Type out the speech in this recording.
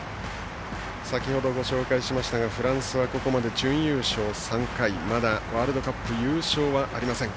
先ほどご紹介しましたがフランスはここまで準優勝３回まだワールドカップ優勝はありません。